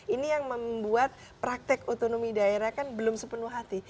ini yang membuat praktek otonomi daerah kan belum sepenuh hati